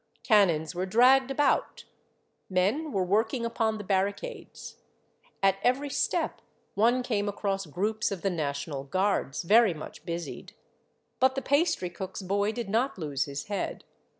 Cannons were dragged about, men were working upon the barricades ; at every step one came across groups of the national guards, very much busied. But the pastry cook's boy did not lose his head.